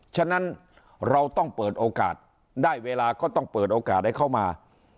ฉะนั้นเราต้องเปิดโอกาสได้เวลาก็ต้องเปิดโอกาสให้เข้ามา